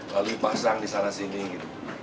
lalu dipasang di sana sini